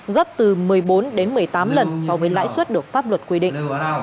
gấp từ một mươi bốn đến một mươi tám lần so với lãi suất được pháp luật quy định